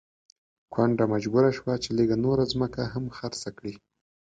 کونډه مجبوره شوه چې لږه نوره ځمکه هم خرڅه کړي.